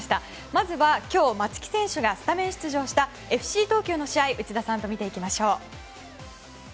まずは今日松木選手がスタメン出場したＦＣ東京の試合を内田さんと見ていきましょう。